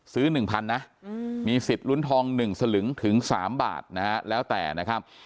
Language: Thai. ซื้อหนึ่งพันนะมีสิทธิ์ลุ้นทองหนึ่งสลึงถึงสามบาทนะฮะแล้วแต่นะครับ